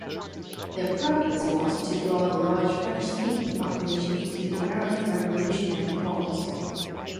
Their purpose was to draw the large French-speaking population to the American revolutionary cause.